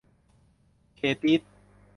เต-ติ๊ด !